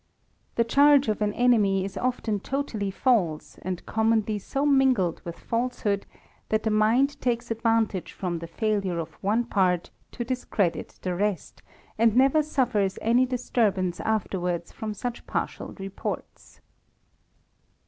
The charge of an enemy is often totally false, and commonly so mingled with false hood, that the mind takes advantage from the failure of one part to discredit the rest, and never suffers any disturbance afterwards frona such partial reports.